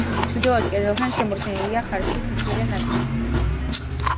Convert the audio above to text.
ჩრდილოეთ კედელთან შემორჩენილია ხარისხის მცირე ნაწილი.